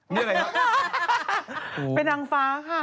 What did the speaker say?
นี้อะไรฮะเป็นนางฟ้าค่ะ